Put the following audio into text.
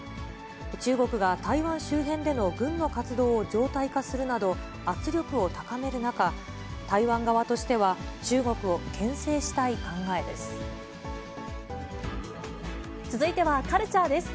中国が台湾周辺での軍の活動を常態化するなど、圧力を高める中、台湾側としては、続いてはカルチャーです。